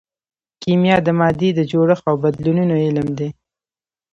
کیمیا د مادې د جوړښت او بدلونونو علم دی.